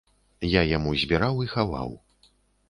Я яму збіраў і хаваў.